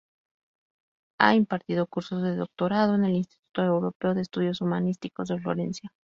Ha impartido cursos de doctorado en el Istituto Europeo de Estudios Humanísticos de Florencia.